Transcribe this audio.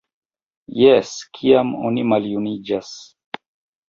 Jes, kiam oni maljuniĝas!